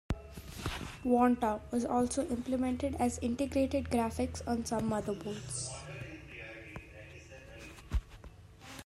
Vanta also was implemented as integrated graphics on some motherboards.